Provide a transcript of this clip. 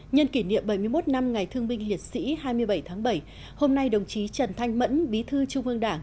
nhân kỷ niệm bảy mươi một năm ngày thương binh liệt sĩ hai mươi bảy tháng bảy hôm nay đồng chí trần thanh mẫn bí thư trung ương đảng